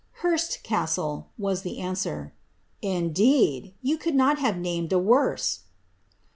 ^ Hurst castle," was the answer. ^Indeed! vou could not have named a worse."